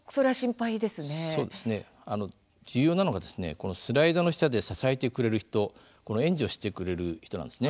このスライドの下で支えてくれる人この援助してくれる人なんですね。